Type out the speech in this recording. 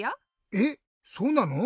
えっそうなの？